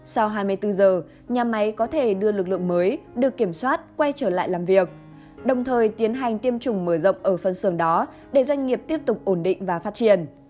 sau hai mươi bốn giờ nhà máy có thể đưa lực lượng mới được kiểm soát quay trở lại làm việc đồng thời tiến hành tiêm chủng mở rộng ở phân xưởng đó để doanh nghiệp tiếp tục ổn định và phát triển